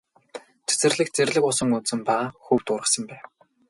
Цэцэрлэгт зэрлэг усан үзэм ба хөвд ургасан байв.